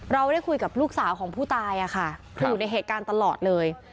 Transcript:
เราได้คุยกับลูกสาวของผู้ตายค่ะอยู่ในเหตุการณ์ตลอดเลย